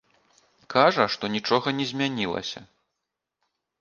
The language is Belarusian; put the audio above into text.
Кажа, што нічога не змянілася.